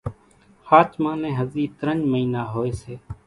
ۿاچمان نين ھزي ترڃ مئينا ھوئي سي